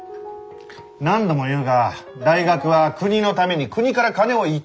何度も言うが大学は国のために国から金を頂いて研究してるんだ。